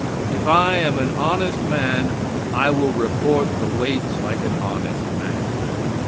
If I am an honest man I will report the weights like an honest man.